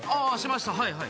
はいはい。